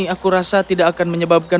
aku rasa tidak akan menyebabkan